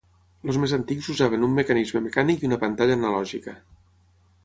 Els més antics usaven un mecanisme mecànic i una pantalla analògica.